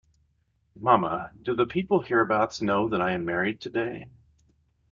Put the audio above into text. Mamma, do the people hereabouts know I am married to-day?